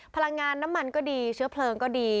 พลังงานน้ำมันก็ดีเชื้อเพลิงก็ดี